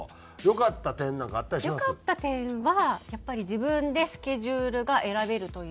良かった点はやっぱり自分でスケジュールが選べるというか。